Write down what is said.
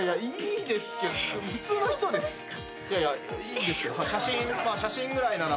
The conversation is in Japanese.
いやいやいいですけど写真ぐらいなら。